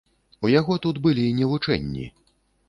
У яго тут былі не вучэнні.